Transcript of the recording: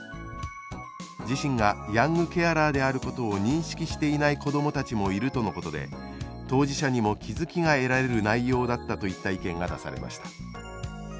「自身がヤングケアラーであることを認識していない子どもたちもいるとのことで当事者にも気付きが得られる内容だった」といった意見が出されました。